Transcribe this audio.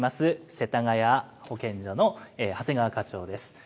世田谷保健所の長谷川課長です。